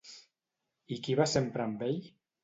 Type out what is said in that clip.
I qui va sempre amb ell?